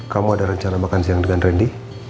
kamu ada rencana makan siang dengan randy